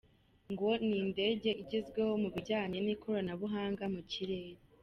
Ngo ni indege igezweho mu bijyanye n’ikoranabuhanga mu by’ikirere.